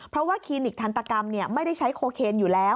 เพราะว่าคลินิกทันตกรรมไม่ได้ใช้โคเคนอยู่แล้ว